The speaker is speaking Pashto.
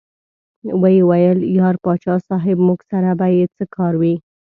ویې ویل: یار پاچا صاحب موږ سره به یې څه کار وي.